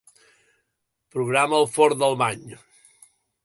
Programa el forn del bany.